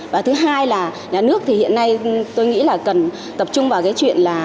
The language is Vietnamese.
và thứ hai là nhà nước thì hiện nay tôi nghĩ là cần tập trung vào cái chuyện là